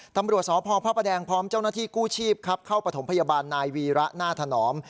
ตำรวจสพพระประแดงพร้อมเจ้าหน้าที่กู้ชีพครับเข้าประถมพยาบาลนายวีระหน้าถนอม